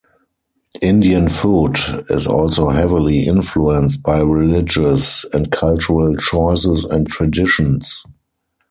Indian food is also heavily influenced by religious and cultural choices and traditions.